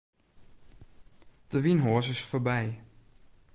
De wynhoas is foarby.